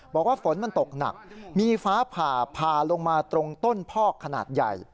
บอกว่าฝนมันตกหนักมีฟ้าผ่าผ่าลงมาตรงต้นพอกขนาดใหญ่